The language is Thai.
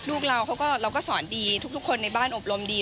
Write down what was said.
ลูกเราเราก็สอนดีทุกคนในบ้านอบรมดี